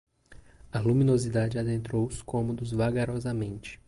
A luminosidade adentrou os cômodos vagarosamente